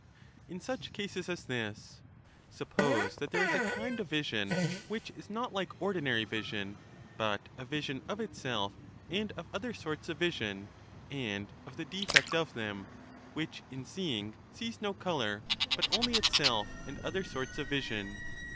In such cases as this : Suppose that there is a kind of vision which is not like ordinary vision, but a vision of itself and of other sorts of vision, and of the defect of them, which in seeing sees no color, but only itself and other sorts of vision.